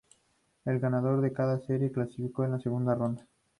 El ganador de cada serie clasificó a la segunda ronda.